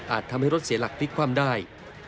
อาจทำให้รถเสียหลักฤทธิ์ความได้